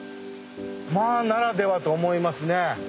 まあならではと思いますね。